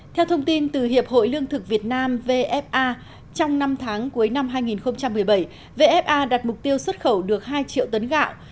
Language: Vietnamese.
theo thông tin từ hiệp hội lương thực việt nam vfa trong năm tháng cuối năm hai nghìn một mươi bảy vfa đặt mục tiêu xuất khẩu được hai triệu tấn gạo